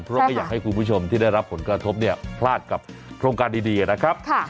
เพราะไม่อยากให้คุณผู้ชมที่ได้รับผลกระทบเนี่ยพลาดกับโครงการดีนะครับ